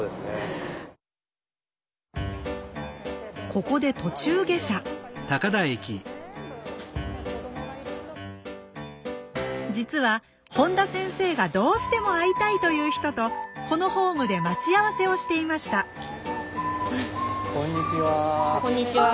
ここで途中下車実は本田先生がどうしても会いたいという人とこのホームで待ち合わせをしていましたこんにちは。